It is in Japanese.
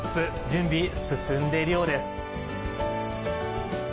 準備、進んでいるようです。